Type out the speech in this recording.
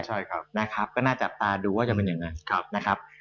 ก็น่าจะจับตาดูว่าจะเป็นอย่างนั้น